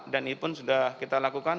dan itu pun sudah kita lakukan